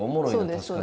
確かに。